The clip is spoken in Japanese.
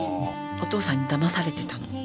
お父さんにだまされてたの。